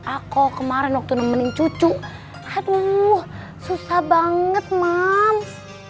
aku kemarin waktu nemenin cucu aduh susah banget mam